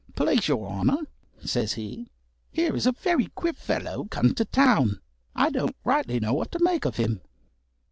"Please your Honour," says he, "here is a very queer fellow come to town. I don't rightly know what to make of him."